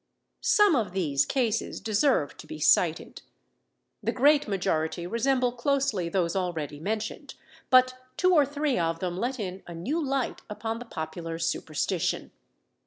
Some of these cases deserve to be cited. The great majority resemble closely those already mentioned; but two or three of them let in a new light upon the popular superstition.